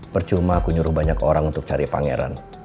percuma aku nyuruh banyak orang untuk cari pangeran